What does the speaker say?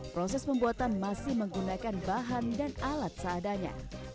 proses pembuatan masih menggunakan bahan dan alat seadanya